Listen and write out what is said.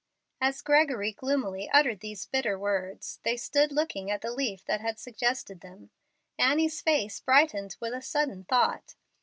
As Gregory gloomily uttered these bitter words, they stood looking at the leaf that had suggested them. Annie's face brightened with a sudden thought.